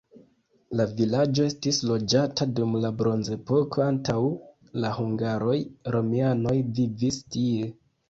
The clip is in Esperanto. La vilaĝo estis loĝata dum la bronzepoko, antaŭ la hungaroj romianoj vivis tie.